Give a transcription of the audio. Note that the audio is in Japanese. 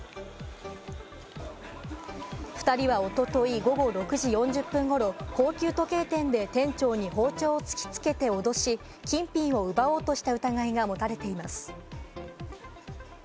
２人はおととい午後６時４０分ごろ、高級時計店で店長に包丁を突きつけて脅し、金品を奪おうとした疑いが持たれています。